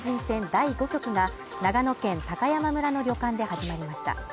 第５局が長野県高山村の旅館で始まりました。